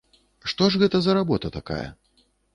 Што ж гэта за работа такая?